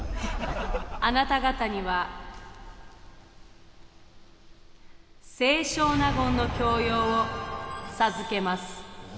あなた方には清少納言の教養を授けます。